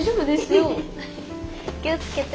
気を付けて。